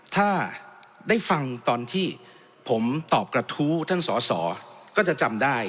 ถ้าได้ฟังตอนที่ผมตอบกระทู้ท่านสอสอก็จะจำได้